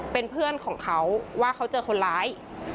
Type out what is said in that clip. เป็นเพื่อนของเขาว่าเขาเจอคนร้าย